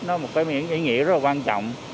nó có ý nghĩa rất là quan trọng